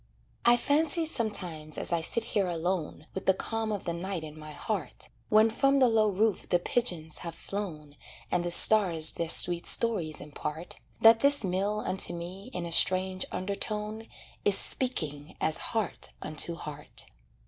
I fancy sometimes as I sit here alone With the calm of the night in my heart, When from the low roof the pigeons have flown, And the stars their sweet stories impart, That this mill unto me in a strange undertone Is speaking as heart unto heart.